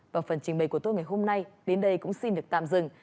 và phần trình bày của tôi ngày hôm nay đến đây cũng xin được tạm dừng